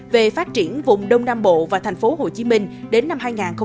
về phát triển vùng đông nam bộ và thành phố hồ chí minh đến năm hai nghìn bốn mươi năm